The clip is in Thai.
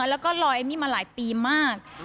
แล้วก็ลอยเอมมี่มาหลายปีมาก